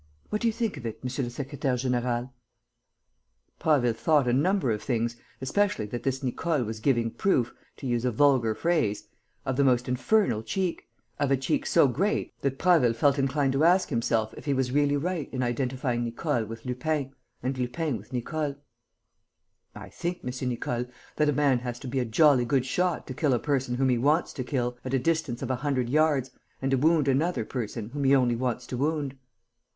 What do you think of it, monsieur le secrétaire; général?" Prasville thought a number of things, especially that this Nicole was giving proof, to use a vulgar phrase, of the most infernal cheek, of a cheek so great that Prasville felt inclined to ask himself if he was really right in identifying Nicole with Lupin and Lupin with Nicole. "I think, M. Nicole, that a man has to be a jolly good shot to kill a person whom he wants to kill, at a distance of a hundred yards, and to wound another person whom he only wants to wound."